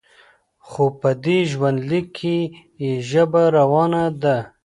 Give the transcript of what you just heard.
خو په دې ژوندلیک کې یې ژبه روانه ده.